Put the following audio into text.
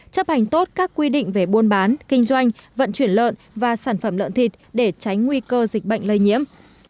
chấp hành tốt các quy định về buôn bán kinh doanh vận chuyển lợn và sản phẩm lợn thịt để tránh nguy cơ dịch bệnh lây nhiễm